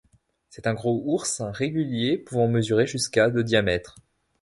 C'est un gros oursin régulier pouvant mesurer jusqu'à de diamètre.